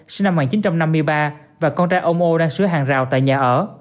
sinh năm một nghìn chín trăm năm mươi ba và con trai ông ô đang sửa hàng rào tại nhà ở